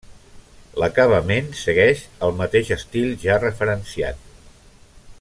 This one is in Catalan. L'acabament segueix el mateix estil ja referenciat.